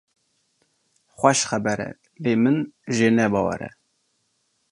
Xweş xeber e lê min jê ne bawer e.